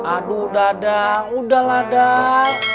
aduh dadang udah lah dang